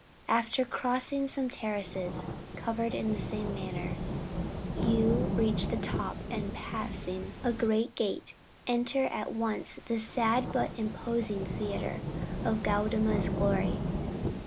After crossing some terraces, covered in the same manner, you reach the top and passing a great gate, enter at once this sad but imposing theatre of Gaudama's glory.